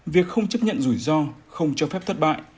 việc không chấp nhận rủi ro không cho phép thất bại